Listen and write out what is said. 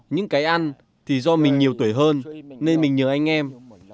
những cái ăn thì do mình nhiều tuổi hơn nên mình nhớ anh em